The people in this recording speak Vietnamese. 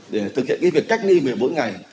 để thực hiện việc cách ly về mỗi ngày